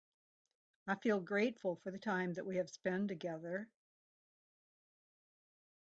I feel grateful for the time that we have spend together.